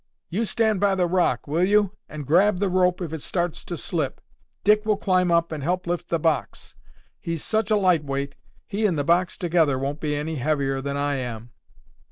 You stand by the rock, will you, and grab the rope if it starts to slip. Dick will climb up and help lift the box. He's such a light weight, he and the box together won't be any heavier than I am."